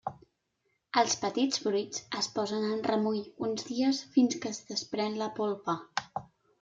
Els petits fruits es posen en remull uns dies fins que es desprèn la polpa.